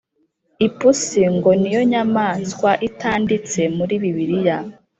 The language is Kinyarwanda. Ipusi ngo niyo nyamaswa itanditse muri bibiliya